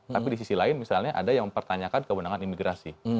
tapi di sisi lain misalnya ada yang mempertanyakan kewenangan imigrasi